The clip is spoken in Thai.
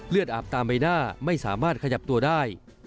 อาบตามใบหน้าไม่สามารถขยับตัวได้